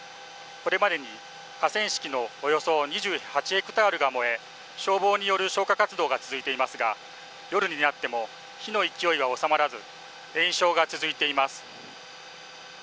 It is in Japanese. これまでに河川敷のおよそ２８ヘクタールが燃え消防による消火活動が続いていますが夜になっても火の勢いは収まらず延焼が続いています。